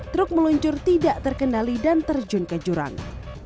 truk meluncur tidak terkendali dan terjun ke jurang